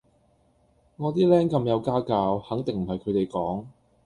我啲靚咁有家教，肯定唔係佢哋講